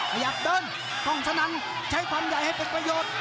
ขยับเดินกล้องสนั่นใช้ความใหญ่ให้เป็นประโยชน์